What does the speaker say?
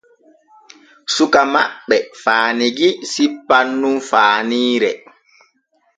Suka maɓɓe faanigi sippan nun faaniire.